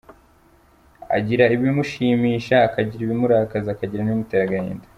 Agira ibimushimisha akagira ibimurakaza akagira n’ibimutera agahinda.